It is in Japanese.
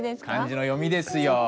漢字の読みですよ。